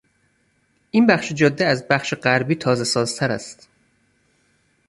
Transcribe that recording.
این بخش جاده از بخش غربی تازه سازتر است.